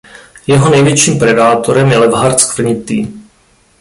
Jeho největším predátorem je levhart skvrnitý.